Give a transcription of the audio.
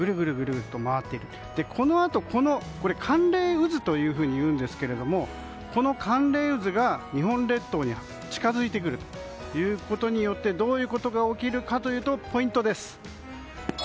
寒冷渦というんですがこの寒冷渦が日本列島に近づいてくることによってどういうことが起きるかというとポイントです。